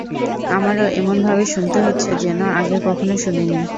আমারও এমনভাবে শুনতে হচ্ছে যেন আগে কখনও শুনিনি।